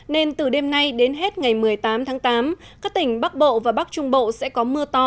nên từ đêm nay đến hết ngày một mươi tám tháng tám các tỉnh bắc bộ và bắc trung bộ sẽ có mưa to